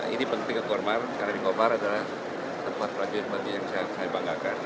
ini penting ke koorma karena di kopassus adalah tempat perajuan perajuan yang saya banggakan